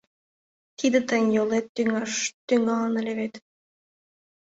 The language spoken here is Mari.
— Тиде тыйын йолет тӱҥаш тӱҥалын ыле вет.